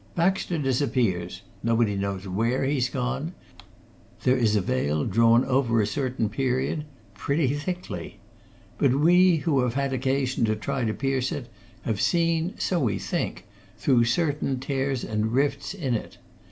Baxter disappears. Nobody knows where he's gone. There is a veil drawn over a certain period pretty thickly. But we, who have had occasion to try to pierce it, have seen, so we think, through certain tears and rifts in it.